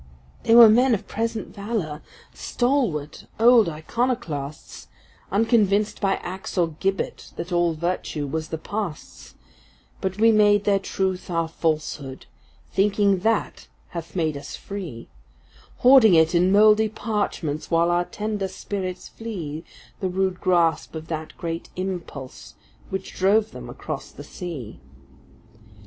They were men of present valor, stalwart old iconoclasts, Unconvinced by axe or gibbet that all virtue was the Past’s; But we make their truth our falsehood, thinking that hath made us free, Hoarding it in mouldy parchments, while our tender spirits flee The rude grasp of that great Impulse which drove them across the sea.